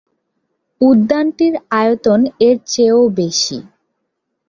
উদ্যানটির আয়তন -এর চেয়েও বেশি।